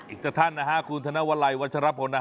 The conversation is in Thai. อีกสัตว์ท่านนะคะคุณธนวรัยวัชรพลนะคะ